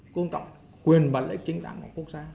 công tọng quyền và lễ chính đảng của quốc gia